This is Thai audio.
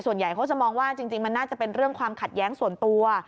ส่วนใหญ่เขาจะมองว่าจริงมันน่าจะเป็นเรื่องความขัดแย้งส่วนตัว